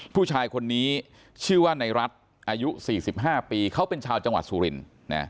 ผู้ชายคนนี้ชื่อว่าในรัฐอายุ๔๕ปีเขาเป็นชาวจังหวัดสุรินทร์